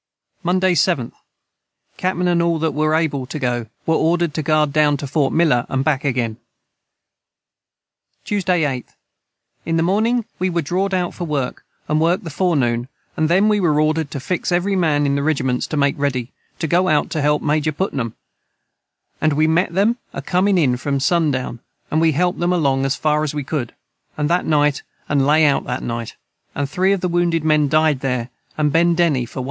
[Footnote 54: Packet.] Monday 7th. Cap.n & all that were able to go were ordered to guard down to Fort Miller and back again. Tues. 8th. In the morning we were drawd out for work and worked the fore noon then we were ordered to fix every Man in the rigiments to make ready, to go out to help Majer putnom and we met them a coming in about son down and we helpt them a long as far as we could & that nite & lay out that nite & 3 of the wounded men died there and Ben Deny for one.